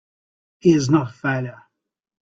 He's not a failure!